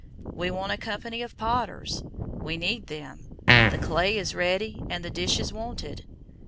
We want a company of potters; we need them; the clay is ready and the dishes wanted....